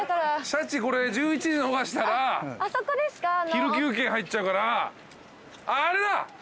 シャチこれ１１時逃したら昼休憩入っちゃうから。